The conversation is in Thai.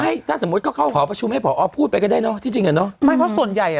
หรอท่านสมมติเขาเข้าเผาชมให้เผาออพูดเป็นก้นได้เนาะ